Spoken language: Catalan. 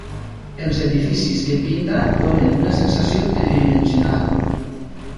Els edificis que pinta donen una sensació tridimensional.